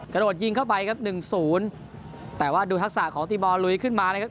กระโดดยิงเข้าไปครับหนึ่งศูนย์แต่ว่าดูทักษะของตีบอลลุยขึ้นมานะครับ